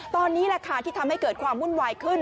ตอนนี้คาดที่ทำให้เกิดความวุ่นไหวขึ้น